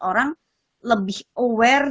orang lebih aware